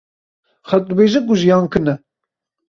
Xelk dibêjin ku jiyan kin e.